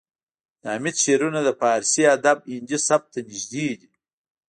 د حمید شعرونه د پارسي ادب هندي سبک ته نږدې دي